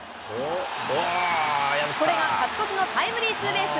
これが勝ち越しのタイムリーツーベース。